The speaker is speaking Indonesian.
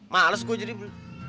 males gue jadi beli